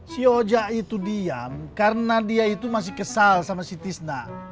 si oja itu diam karena dia itu masih kesal sama si tisna